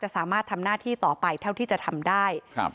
สามารถทำหน้าที่ต่อไปเท่าที่จะทำได้ครับ